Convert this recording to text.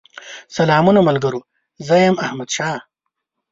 سلامونه ملګرو! زه يم احمدشاه